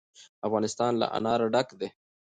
افغانستان له انار ډک دی.